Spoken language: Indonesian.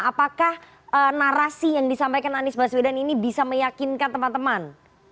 apakah narasi yang disampaikan anies baswedan ini bisa meyakinkan teman teman